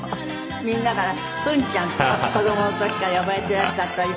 みんなからフンちゃんと子供の時から呼ばれていらしたという。